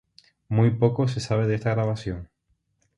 Muy poco se sabe de esta grabación.